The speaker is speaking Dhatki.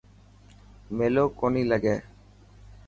ميلو ڪونهي لگي.